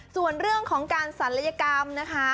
ส่วนเรื่องของการศัลยกรรมนะคะ